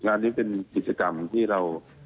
งานนี้เป็นกิจกรรมที่เรา